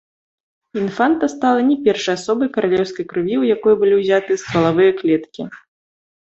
Інфанта стала не першай асобай каралеўскай крыві, у якой былі ўзяты ствалавыя клеткі.